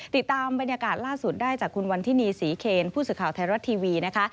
ติดตามบรรยากาศล่าสุดได้จากคุณวันทินีศรีเคนผู้สื่อข่าวไทยรัฐทีวีนะคะ